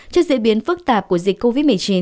trước diễn biến phức tạp của dịch covid một mươi chín